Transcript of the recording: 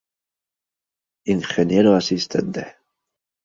Ingeniero asistente.